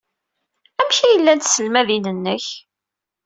Amek ay llant tselmadin-nnek?